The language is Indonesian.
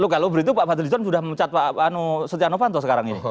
kalau begitu pak fadlizon sudah memecat pak setia novanto sekarang ini